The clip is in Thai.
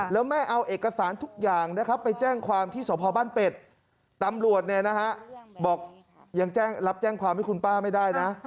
แล้วแม่เอาเอกสารทุกอย่างนะครับไปแจ้งความที่สพบ้านเป็ดตำรวจบอกยังรับแจ้งความให้คุณป้าไม่ได้นะ